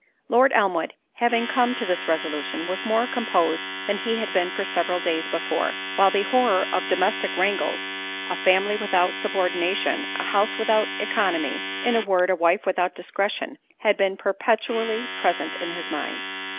Lord Elmwood having come to this resolution, was more composed than he had been for several days before; while the horror of domestic wrangles—a family without subordination—a house without œconomy—in a word, a wife without discretion, had been perpetually present to his mind.